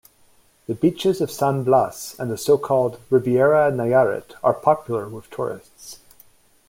The beaches of San Blas and the so-called "Riviera Nayarit" are popular with tourists.